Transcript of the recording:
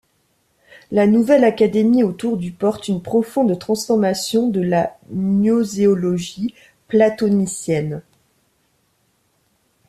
La Nouvelle Académie autour du porte une profonde transformation de la gnoséologie platonicienne.